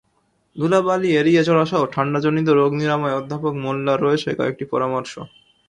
ধুলাবালি এড়িয়ে চলাসহ ঠান্ডাজনিত রোগ নিরাময়ে অধ্যাপক মোল্লার রয়েছে কয়েকটি পরামর্শ।